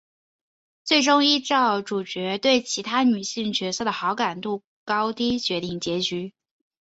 最终依照主角对其他女性角色的好感度高低决定结局。